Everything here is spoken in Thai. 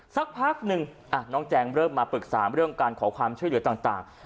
สักพักหนึ่งน้องแจงเริ่มมาปรึกษาเรื่องการขอความช่วยเหลือต่าง